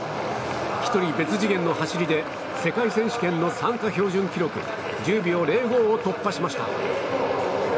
１人、別次元の走りで世界選手権の参加標準記録１０秒０５を突破しました。